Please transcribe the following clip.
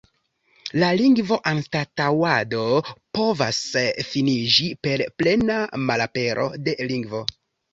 La lingvo-anstaŭado povas finiĝi per plena malapero de lingvo.